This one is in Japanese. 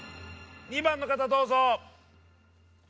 ２番の方どうぞ。